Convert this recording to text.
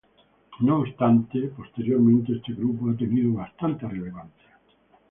No obstante, posteriormente, este grupo ha tenido bastante relevancia.